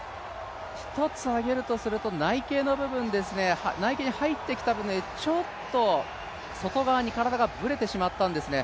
１つ挙げるとすると内傾に入ってきた部分でちょっと外側に体がブレてしまったんですね。